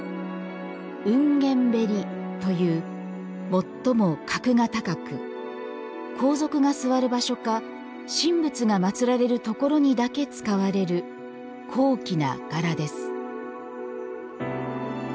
繧繝縁という最も格が高く皇族が座る場所か神仏が祀られるところにだけ使われる高貴な柄です